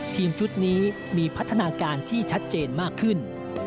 ทีมชุดนี้มีพัฒนาการที่ชัดเจนมากขึ้น